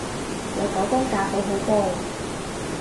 有九宮格好好多